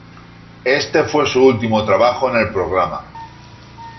Este fue su último trabajo en el programa.